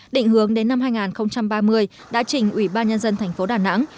định hướng đến năm hai nghìn ba mươi đã trình ủy ban nhân dân thành phố đà nẵng